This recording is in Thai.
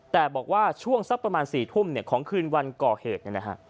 แต่บอกว่าช่วงสักประมาณ๔ทุ่มของคืนวันก่อเหตุ